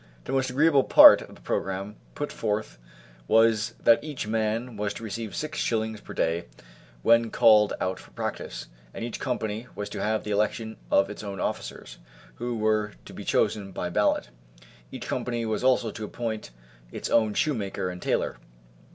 The most agreeable part of the programme put forth was that each man was to receive six shillings per day when called out for practice, and each company was to have the election of its own officers, who were to be chosen by ballot; each company was also to appoint its own shoemaker and tailor.